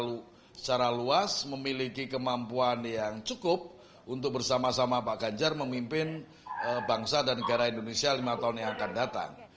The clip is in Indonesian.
kalau secara luas memiliki kemampuan yang cukup untuk bersama sama pak ganjar memimpin bangsa dan negara indonesia lima tahun yang akan datang